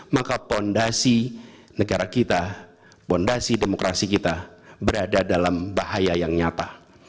maka fondasi negara kita fondasi demokrasi kita berada dalam bahaya yang nyata